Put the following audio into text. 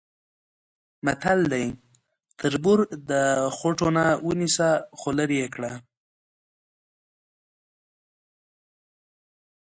متل دی: تربور د خوټونه ونیسه خولرې یې کړه.